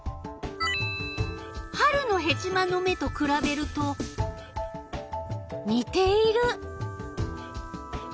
春のヘチマの芽とくらべると似ている。